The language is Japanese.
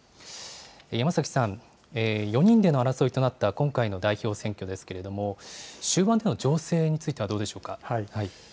山崎さん、４人での争いとなった今回の代表選挙ですけれども、終盤での情勢についてはどうでしょうか。